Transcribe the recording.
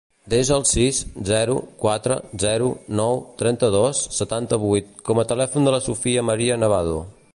Desa el sis, zero, quatre, zero, nou, trenta-dos, setanta-vuit com a telèfon de la Sofia maria Nevado.